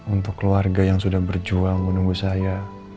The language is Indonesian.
untuk keluarga yang sudah berjuang menunggu saya